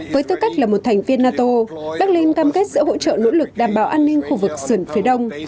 với tư cách là một thành viên nato berlin cam kết sẽ hỗ trợ nỗ lực đảm bảo an ninh khu vực sườn phía đông